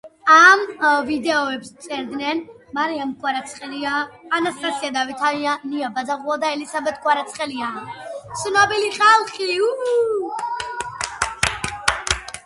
სიმღერებს ახლავს ირაკლი ჩარკვიანის მიერ წაკითხული რამდენიმე ლექსი.